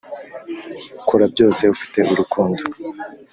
kora byose ufite urukundo